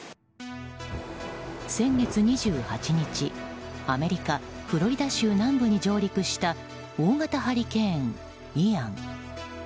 先月２８日アメリカ・フロリダ州南部に上陸した大型ハリケーン、イアン。